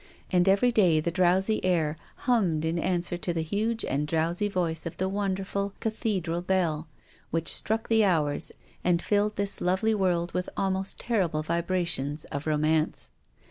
And every day the d rowsy air humm ed in answer to the huge and drowsy voice of the wonderful Ca thedral bell, which struck the hours and filled this lovely world with almost terrible vibrations of romance.